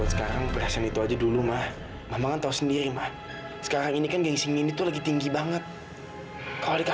sampai jumpa di video selanjutnya